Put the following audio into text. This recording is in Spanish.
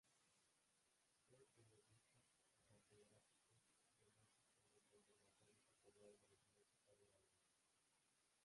Fue periodista y catedrático de música en el Conservatorio Superior de Música de Valencia.